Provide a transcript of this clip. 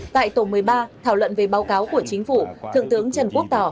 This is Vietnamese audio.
tại tổ một mươi ba thảo luận về báo cáo của chính phủ thượng tướng trần quốc tỏ